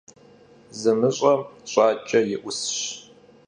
Zımış'em ş'aç'e yi 'usş.